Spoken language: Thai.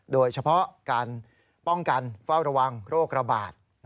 โดยเฉพาะการป้องกันเฝ้าระวังโรคระบาด